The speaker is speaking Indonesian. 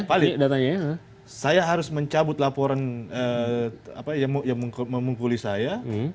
valid saya harus mencabut laporan yang memungkuli saya